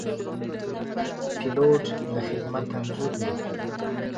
پیلوټ د خدمت انځور وي.